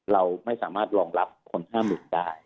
เราไม่สามารถรองรับคน๕๐๐๐ได้